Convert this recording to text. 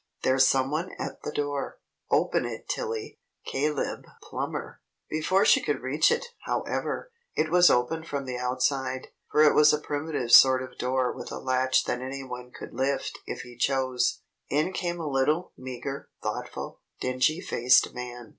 There's some one at the door. Open it, Tilly." Caleb Plummer Before she could reach it, however, it was opened from the outside, for it was a primitive sort of door with a latch that any one could lift if he chose. In came a little, meager, thoughtful, dingy faced man.